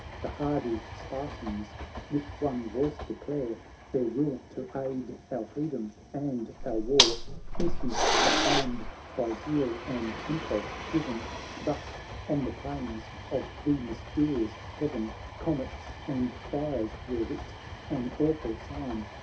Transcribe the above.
The hardy Spartans with one voice de clare Their will to aid our freedom and our war ; Instant they armed, by zeal and impulse driven, But on the plainsofthe mysterious heaven Comets and fires were writ — an awful sign.